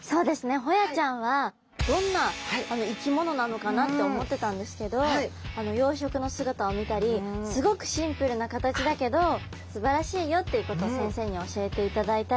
ホヤちゃんはどんな生き物なのかなって思ってたんですけど養殖の姿を見たりすごくシンプルな形だけどすばらしいよっていうことを先生に教えていただいたり。